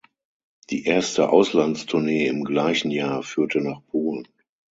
Die erste Auslandstournee im gleichen Jahr führte nach Polen.